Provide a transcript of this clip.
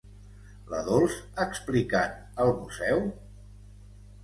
¿La Dols explicant el museu?